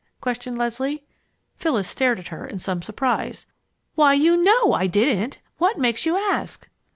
questioned Leslie. Phyllis stared at her in some surprise. "Why, you know I didn't! What makes you ask?"